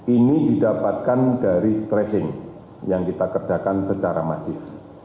ini didapatkan dari tracing yang kita kerjakan secara masif